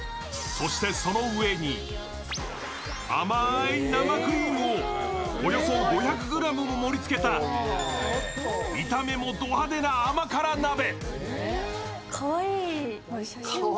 そしてその上に、甘い生クリームをおよそ５００ｇも盛りつけた見た目もド派手な甘辛鍋。